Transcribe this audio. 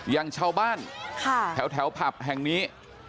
อย่างชาวบ้านแถวผับแห่งนี้